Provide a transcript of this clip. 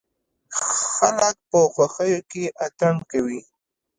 خلک په خوښيو کې اتڼ کوي.